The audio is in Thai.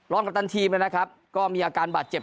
กัปตันทีมนะครับก็มีอาการบาดเจ็บ